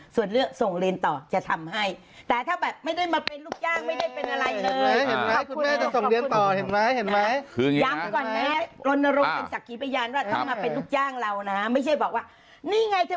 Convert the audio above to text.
ส่วนเลือกส่งเรียนต่อจะทำให้แต่ถ้าแบบไม่ได้มาเป็นลูกจ้างไม่ได้เป็นอะไรเลย